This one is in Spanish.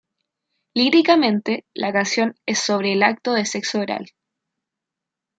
Líricamente, la canción es sobre el acto de sexo oral.